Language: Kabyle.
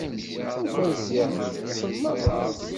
Nufa ziɣ ṭṭsen merra.